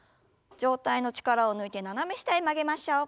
上体の力を抜いて斜め下へ曲げましょう。